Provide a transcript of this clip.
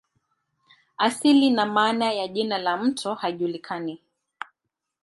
Asili na maana ya jina la mto haijulikani.